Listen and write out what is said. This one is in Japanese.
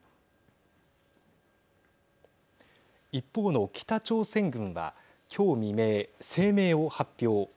一方の北朝鮮軍は今日未明、声明を発表。